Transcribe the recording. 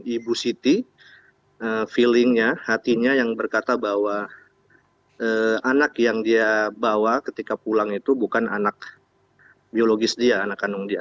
ibu siti feelingnya hatinya yang berkata bahwa anak yang dia bawa ketika pulang itu bukan anak biologis dia anak kandung dia